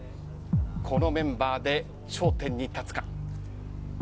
このメンバーで頂点に立つか。